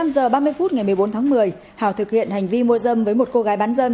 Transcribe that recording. một mươi giờ ba mươi phút ngày một mươi bốn tháng một mươi hảo thực hiện hành vi mua dâm với một cô gái bán dâm